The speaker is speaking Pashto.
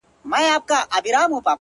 كه بې وفا سوې گراني ـ